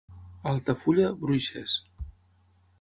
A Altafulla, bruixes.